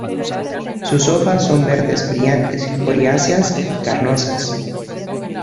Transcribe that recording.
Sus hojas son verdes, brillantes, coriáceas y carnosas.